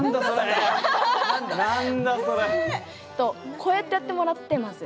こうやってやってもらってまず。